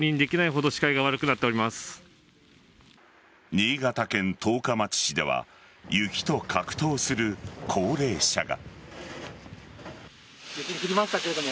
新潟県十日町市では雪と格闘する高齢者が。